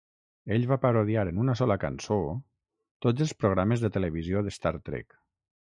Ell va parodiar, en una sola cançó, "tots" els programes de televisió d'Star Trek.